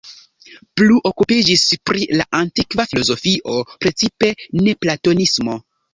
Plu okupiĝis pri la antikva filozofio, precipe novplatonismo.